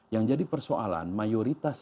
yang jadi persoalan mayoritas